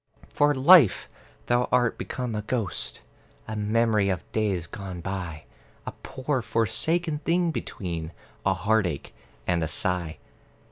For, Life, thou art become a ghost, A memory of days gone by, A poor forsaken thing between A heartache and a sigh.